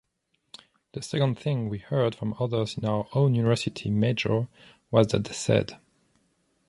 The second thing we heard from others in our own university major was that they said